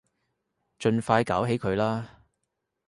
盡快搞起佢啦